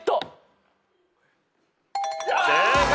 正解！